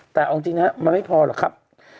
แต่เอาจริงนะครับมันไม่พอหรอกครับ